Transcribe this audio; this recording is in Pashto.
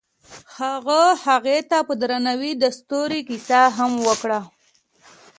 هغه هغې ته په درناوي د ستوري کیسه هم وکړه.